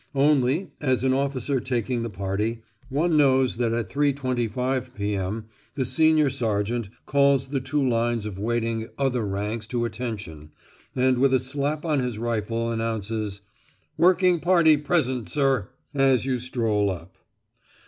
Only, as an officer taking the party, one knows that at 3.25 p.m. the senior sergeant calls the two lines of waiting "other ranks" to attention, and with a slap on his rifle, announces "Working party present, Sir," as you stroll up.